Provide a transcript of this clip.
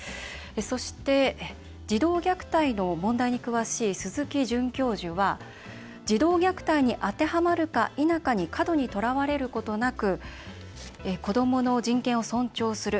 そして、児童虐待の問題に詳しい鈴木准教授は児童虐待に当てはまるか否かに過度にとらわれることなく子どもの人権を尊重する。